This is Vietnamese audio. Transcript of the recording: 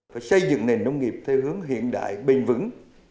phải xây dựng nền nông nghiệp theo hướng hiện đại bền vững